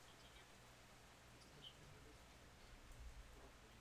Někteří pracovali ve mlýně nebo ve výrobně prken.